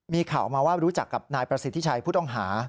มีข่าวมาว่ารู้จักกับนายประสิทธิชัยผู้ต้องหา